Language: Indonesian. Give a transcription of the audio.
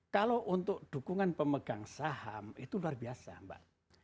kalau untuk dukungan pemegang saham itu luar biasa mbak